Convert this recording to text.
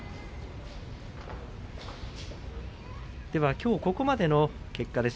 きょうここまでの結果です。